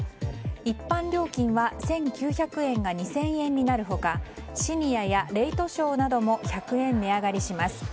一般料金は、１９００円が２０００円になる他シニアやレイトショーなども１００円値上がりします。